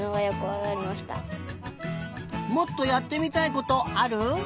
もっとやってみたいことある？